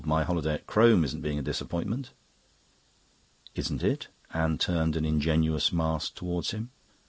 "My holiday at Crome isn't being a disappointment." "Isn't it?" Anne turned an ingenuous mask towards him.